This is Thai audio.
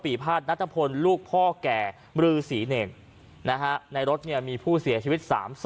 ปี่พลาดนัตตพลลูกพ่อแก่หมลือศรีเนมนะฮะในรถเนี่ยมีผู้เสียชีวิตสาม